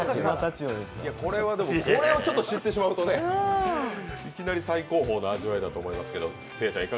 これをちょっと知ってしまうと、いきなり最高峰の味わいだと思いますけど。